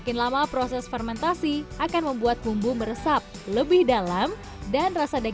ini hidangan spesial ya